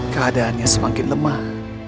keadaannya semakin lemah